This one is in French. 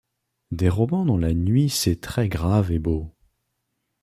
Dérobant dans la nuit ses traits graves et beaux